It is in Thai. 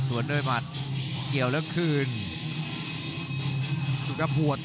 ยังไงยังไง